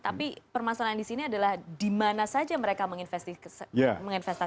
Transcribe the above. tapi permasalahan disini adalah dimana saja mereka menginvestasikan itu